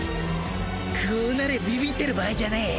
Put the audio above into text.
こうなりゃビビってる場合じゃねえ。